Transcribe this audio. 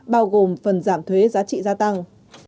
bao gồm phần giảm thuế giá trị gia tăng